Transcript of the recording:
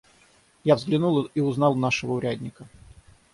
Я взглянул и узнал нашего урядника.